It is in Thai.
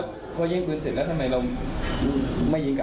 เป็นอะไรครับยิงจากนั้นอืมขอคืนเบอร์ให้เขาอิงเลยในน้องถึงงานเดียวกัน